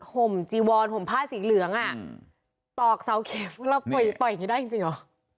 ห่มจีวอนห่มผ้าสีเหลืองอ่ะตอกเสาเข็มเราปล่อยอย่างนี้ได้จริงเหรอ